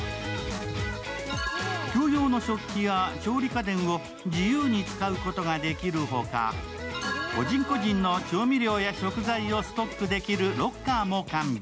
共用の食器や調理家電を自由に使うことができるほか、個人個人の調味料を保管できるロッカーも完備。